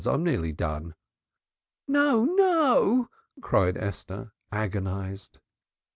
I am nearly done." "No! No!" cried Esther agonized.